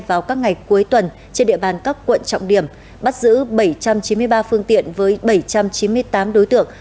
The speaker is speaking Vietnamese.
vào các ngày cuối tuần trên địa bàn các quận trọng điểm bắt giữ bảy trăm chín mươi ba phương tiện với bảy trăm chín mươi tám đối tượng